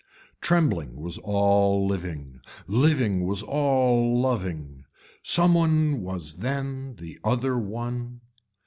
Trembling was all living, living was all loving, some one was then the other one.